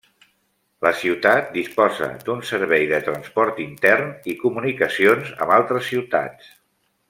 La ciutat disposa d'un servei de transport intern, i comunicacions amb altres ciutats.